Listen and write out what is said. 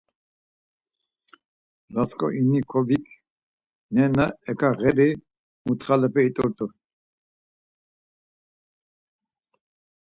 Rasǩolnikovik nena eǩağeri mutxalepe it̆urt̆u.